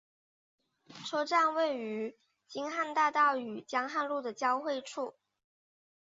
车站位于京汉大道与江汉路的交汇处。